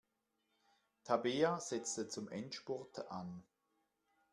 Tabea setzte zum Endspurt an.